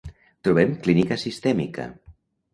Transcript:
Trobem clínica sistèmica.